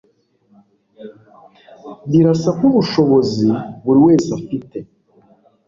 Birasa nkubushobozi buri wese afite